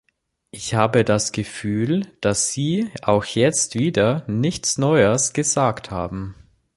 Ich habe das Gefühl, dass Sie auch jetzt wieder nichts Neues gesagt haben.